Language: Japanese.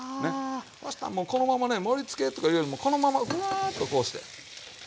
そしたらもうこのままね盛りつけとかいうよりもこのままうわっとこうして。